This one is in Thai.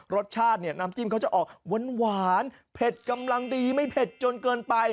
รสชาติเนี่ยน้ำจิ้มเขาจะออกหวานเผ็ดกำลังดีไม่เผ็ดจนเกินไป